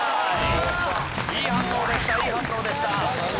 いい反応でしたいい反応でした。